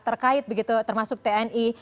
terkait begitu termasuk tni